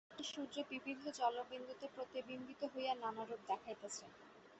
একই সূর্য বিবিধ জলবিন্দুতে প্রতিবিম্বিত হইয়া নানারূপ দেখাইতেছে।